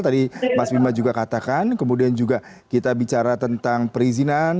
tadi mas bima juga katakan kemudian juga kita bicara tentang perizinan